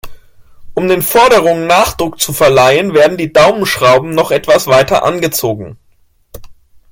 Um den Forderungen Nachdruck zu verleihen, werden die Daumenschrauben noch etwas weiter angezogen.